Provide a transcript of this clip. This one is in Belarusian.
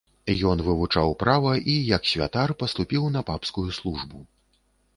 Ён вывучаў права і, як святар, паступіў на папскую службу.